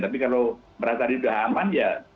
tapi kalau merasa tadi sudah aman